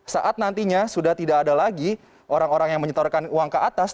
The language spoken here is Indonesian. saat nantinya sudah tidak ada lagi orang orang yang menyetorkan uang ke atas